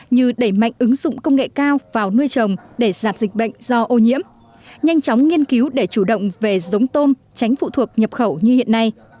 như đẩy mạnh ứng dụng công nghệ cao vào nuôi trồng để giảm dịch bệnh do ô nhiễm nhanh chóng nghiên cứu để chủ động về giống tôm tránh phụ thuộc nhập khẩu như hiện nay